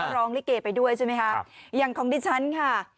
และพร้องละเกไปด้วยใช่มั้ยครับอย่างของดิฉันค่ะ